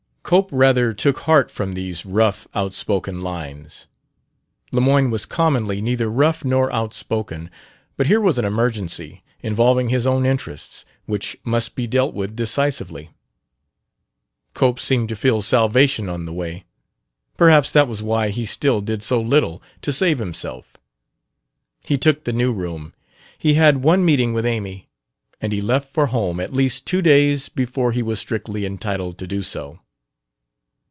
Cope rather took heart from these rough, outspoken lines. Lemoyne was commonly neither rough nor outspoken; but here was an emergency, involving his own interests, which must be dealt with decisively. Cope seemed to feel salvation on the way. Perhaps that was why he still did so little to save himself. He took the new room; he had one meeting with Amy; and he left for home at least two days before he was strictly entitled to do so.